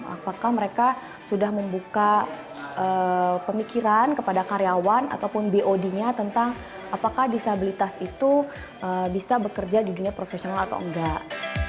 apakah mereka sudah membuka pemikiran kepada karyawan ataupun bod nya tentang apakah disabilitas itu bisa bekerja di dunia profesional atau enggak